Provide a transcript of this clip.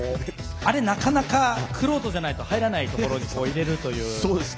あれ、なかなか玄人じゃないと入らないところに入れるという。